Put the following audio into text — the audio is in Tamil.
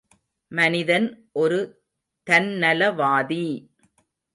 மனிதன் ஒரு தன்நலவாதி!